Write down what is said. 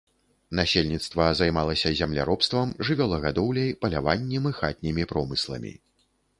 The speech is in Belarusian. Насельніцтва займалася земляробствам, жывёлагадоўляй, паляваннем і хатнімі промысламі.